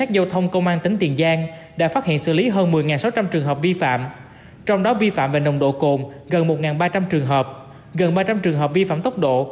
độ cồn gần một ba trăm linh trường hợp gần ba trăm linh trường hợp vi phạm tốc độ